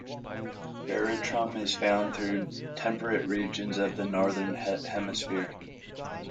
"Veratrum" is found throughout temperate regions of the Northern Hemisphere.